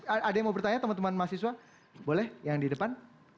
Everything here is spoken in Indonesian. ada yang mau bertanya teman teman mahasiswa boleh yang di depan